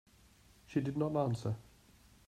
She did not answer.